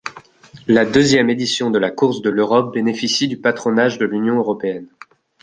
La deuxième édition de la Course de l'Europe bénéficie du patronage de l'Union européenne.